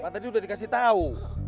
pak tadi udah dikasih tau